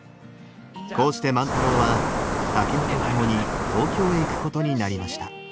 こうして万太郎は竹雄と共に東京へ行くことになりました。